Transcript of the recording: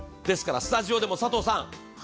ですからスタジオでも佐藤さん？